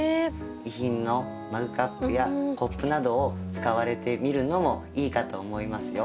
遺品のマグカップやコップなどを使われてみるのもいいかと思いますよ。